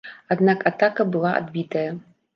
Аднак атака была адбітая.